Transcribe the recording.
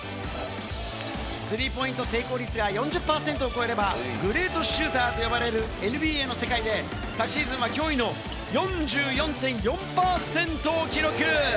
スリーポイント成功率が４０％を超えれば、グレートシューターと呼ばれるＮＢＡの世界で、昨シーズンは驚異の４４．４％を記録！